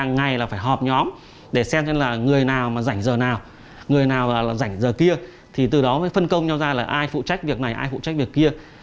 ngày là phải họp nhóm để xem xem là người nào mà rảnh giờ nào người nào rảnh giờ kia thì từ đó mới phân công cho ra là ai phụ trách việc này ai phụ trách việc kia